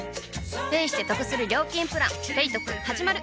ペイしてトクする料金プラン「ペイトク」始まる！